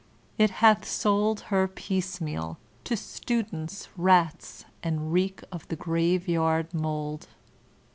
It hath sold Her piecemeal, to stndcnts» rats, and reek of ^ grave yard moold."